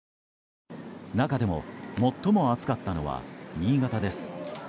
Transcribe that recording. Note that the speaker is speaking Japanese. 中でも最も暑かったのは新潟です。